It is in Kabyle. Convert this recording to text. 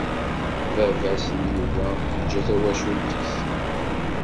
Baba-s n Yuba yeǧǧa tawacult-is.